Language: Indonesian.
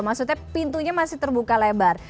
maksudnya pintunya masih terbuka lebar